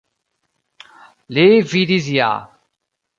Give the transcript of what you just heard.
Li vidis ja.